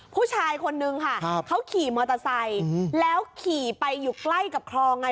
ผู้ชายคนนึงค่ะเขาขี่มอเตอร์ไซค์แล้วขี่ไปอยู่ใกล้กับคลองไง